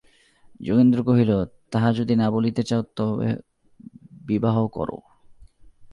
যোগেন্দ্র কহিল, তাহা যদি না বলিতে চাও তো বিবাহ করো।